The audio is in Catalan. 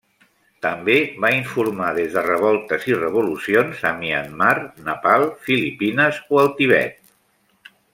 També va informar des de revoltes i revolucions a Myanmar, Nepal, Filipines o el Tibet.